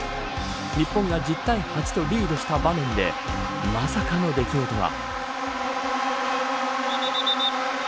日本が１０対８とリードした場面でまさかの出来事が。